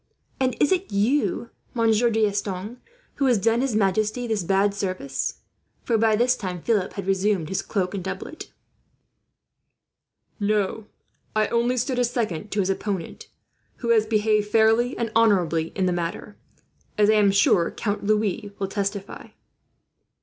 "And is it you, Monsieur D'Estanges, who has done his majesty this bad service?" For by this time Philip had resumed his doublet and cloak. "No. I only stood as second to his opponent, who has behaved fairly and honourably in the matter, as I am sure Count Louis will testify."